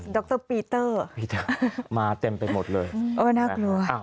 รปีเตอร์มาเต็มไปหมดเลยเออน่ากลัว